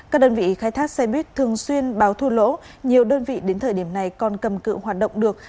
các đơn vị khai thác xe buýt thường xuyên báo thua lỗ nhiều đơn vị đến thời điểm này còn cầm cự hoạt động được